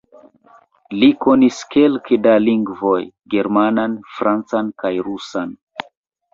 Li konis kelke da lingvoj: germanan, francan kaj rusan.